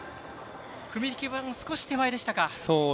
踏み切り板の少し手前でしたか。